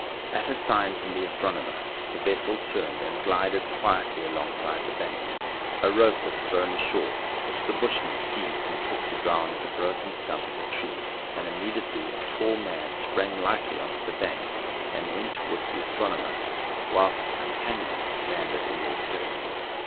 At a sign from the astronomer the vessel turned, and glided quietly alongside the bank ; a rope was thrown ashore, which the bushman seized and twisted round the broken stump of a tree, and immediately a tall man sprang lightly on to the bank, and went towards the astro nomer, whilst his companions landed in their turn.